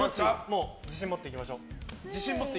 自信持っていきましょう。